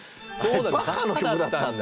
バッハの曲だったんだ！